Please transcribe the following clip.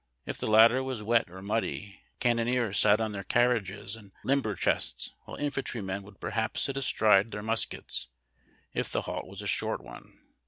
If the lat ter was wet or muddy, cannoneers sat on their carriages and limber chests, while infantrymen would perhaps sit astride their muskets, if the halt was a short one.